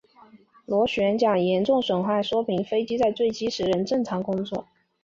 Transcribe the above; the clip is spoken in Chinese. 螺旋桨严重损坏说明飞机在坠机时仍正常工作。